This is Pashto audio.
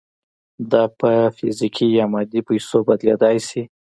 دا په فزیکي یا مادي پیسو بدلېدای شي